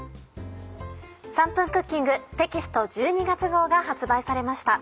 『３分クッキング』テキスト１２月号が発売されました。